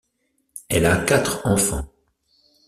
Elle a quatre enfants.